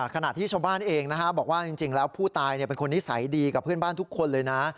ขณะที่ชาวบ้านเองบอกว่าผู้ตายเป็นคนที่ใสดีกับเพื่อนบ้านทุกคนเลยนะ